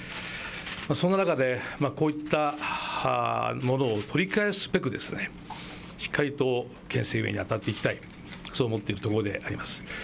そんな中で、こういったものを取り返すべく、しっかりと県政運営に当たっていきたい、そう思っているところであります。